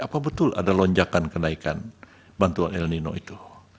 apa betul ada lonjakan kenaikan bantuan el nino itu